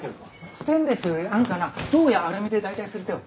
ステンレスより安価な銅やアルミで代替する手は？